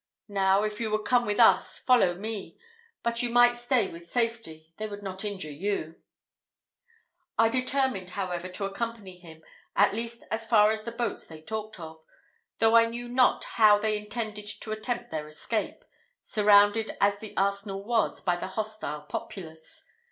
Now, if you would come with us, follow me but you might stay with safety they would not injure you." I determined, however, to accompany him, at least as far as the boats they talked of, though I knew not how they intended to attempt their escape, surrounded as the arsenal was by the hostile populace.